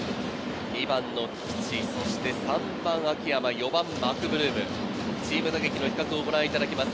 ２番の菊池、そして３番・秋山、４番のマクブルーム、チーム打撃の比較をご覧いただきます。